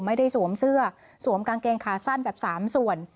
ไม่ได้สวมเสื้อสวมกางเกงคาสั้นแบบสามส่วน